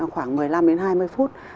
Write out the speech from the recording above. khoảng một mươi năm đến hai mươi phút